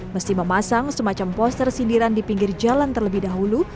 mesti memasang semacam poster sindiran di pinggir jalan terlebih dahulu